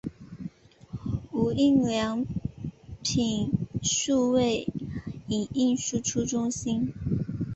无印良品数位影印输出中心